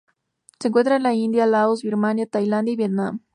Se encuentra en la India, Laos, Birmania, Tailandia y Vietnam.